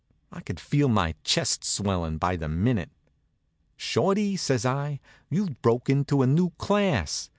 I could feel my chest swellin' by the minute. "Shorty," says I, "you've broke into a new class.